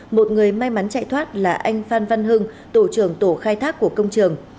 một người may mắn chạy thoát là anh phan văn hưng tổ trưởng tổ khai thác của công trường